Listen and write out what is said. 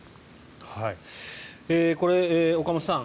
これ、岡本さん